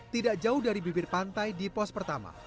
tidak jauh dari bibir pantai di pos pertama